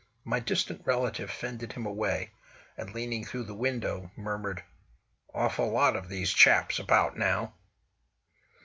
My distant relative fended him away, and leaning through the window, murmured: "Awful lot of these chaps about now!"